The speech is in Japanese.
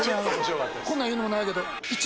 こんなん言うのも何やけど。